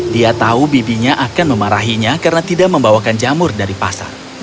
dia tahu bibinya akan memarahinya karena tidak membawakan jamur dari pasar